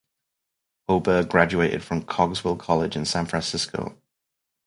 Hoberg graduated from Cogswell College in San Francisco.